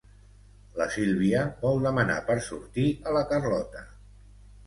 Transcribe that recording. La Sílvia vol demanar per sortir a la Carlota.